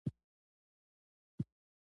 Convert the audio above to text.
له نذیر لغاري سره یې داسې خبرې کولې.